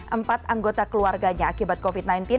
empat anggota keluarganya akibat covid sembilan belas